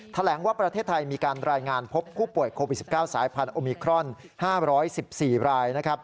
แถลงว่าประเทศไทยมีการรายงานพบผู้ป่วยโควิด๑๙สายพันธุมิครอน๕๑๔ราย